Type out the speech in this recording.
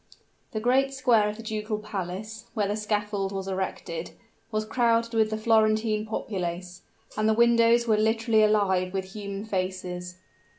The great square of the ducal palace, where the scaffold was erected, was crowded with the Florentine populace; and the windows were literally alive with human faces.